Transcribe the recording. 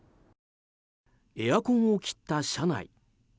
エアコンを切った車内。